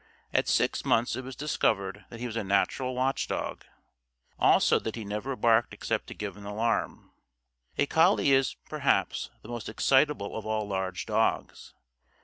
At six months it was discovered that he was a natural watch dog. Also that he never barked except to give an alarm. A collie is, perhaps, the most excitable of all large dogs.